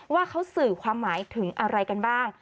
ว่าเขาสื่อความหมายถึงอะไรกันบ้าง